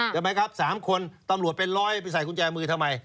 ใช่ไหมครับ๓คนตำรวจเป็นร้อยไปใส่กุญแจมือทำไม